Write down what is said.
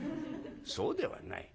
「そうではない。